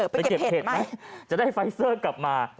ไปเก็บเห็ดไหมจะได้ไฟเซอร์กลับมา